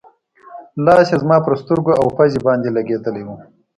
لاس یې زما پر سترګو او پوزې باندې لګېدلی و.